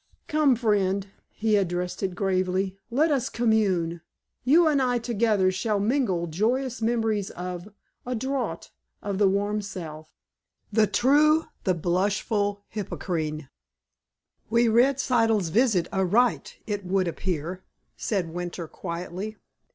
"Come, friend!" he addressed it gravely. "Let us commune! You and I together shall mingle joyous memories of "A draught of the Warm South, The true, the blushful Hippocrene." "We read Siddle's visit aright, it would appear," said Winter quietly.